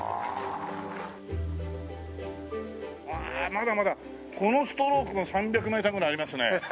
まだまだこのストロークも３００メーターぐらいありますね。